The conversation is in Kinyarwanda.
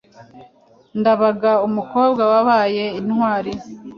Ndabaga, umukobwa wabaye intwari